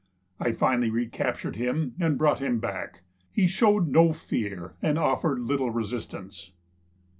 I finally recaptured him and brought him back. He showed no fear and offered little resistance.